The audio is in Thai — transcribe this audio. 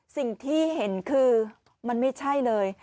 สิ่งที่เห็นคือมันไม่ใช่เลย